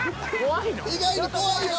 意外に怖いよ。